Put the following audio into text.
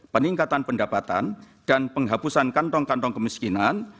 peningkatan pendapatan dan penghapusan kantong kantong kemiskinan